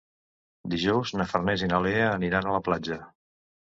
Dijous na Farners i na Lea aniran a la platja.